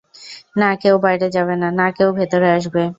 না কেউ বাইরে যাবে, না কেউ ভেতরে আসবে।